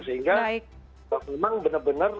sehingga memang benar benar